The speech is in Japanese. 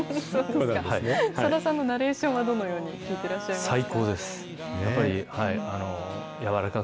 さださんのナレーションは、どんなふうに聞いてらっしゃいますか。